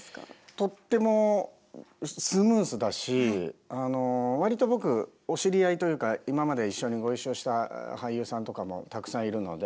とってもスムーズだし割と僕お知り合いというか今まで一緒にご一緒した俳優さんとかもたくさんいるので。